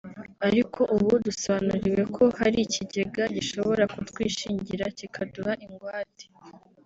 ariko ubu dusobanuriwe ko hari ikigega gishobora kutwishingira kikaduha ingwate